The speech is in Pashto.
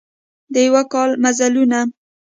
د یوه کال مزلونه